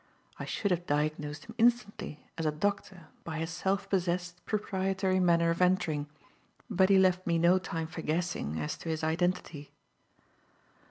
I should have diagnosed him instantly as a doctor by his self possessed, proprietary manner of entering, but he left me no time for guessing as to his identity.